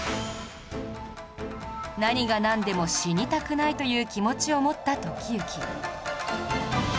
「何が何でも死にたくない」という気持ちを持った時行